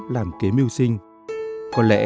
làm kế mưu sinh có lẽ